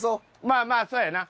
まあまあそうやな。